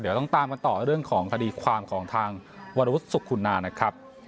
เดี๋ยวต้องตามกันต่อเรื่องของคดีความของทางวรวุฒิสุขคุณานะครับ